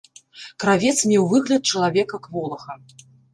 Кравец меў выгляд чалавека кволага.